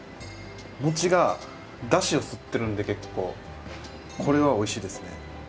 餅がだしを吸ってるんで結構これはおいしいですね